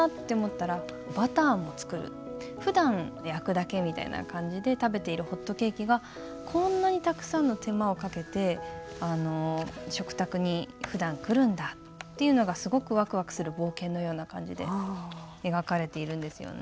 ふだん焼くだけみたいな感じで食べているホットケーキがこんなにたくさんの手間をかけて食卓にふだん来るんだっていうのがすごくワクワクする冒険のような感じで描かれているんですよね。